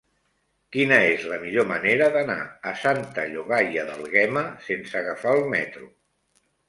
Quina és la millor manera d'anar a Santa Llogaia d'Àlguema sense agafar el metro?